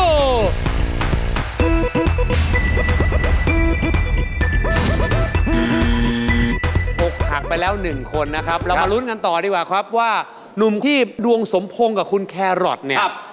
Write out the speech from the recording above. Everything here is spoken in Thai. อกหักไปแล้ว๑คนนะครับเรามาลุ้นกันต่อดีกว่าครับว่านุ่มที่ดวงสมพงษ์กับคุณแครอทเนี่ย